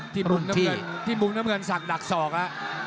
ที่มุ่งน้ำเงินศักดักศอกอ่ะ